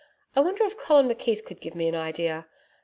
I wonder if Colin McKeith could give me an idea.....